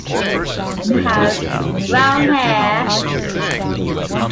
He has brown hair.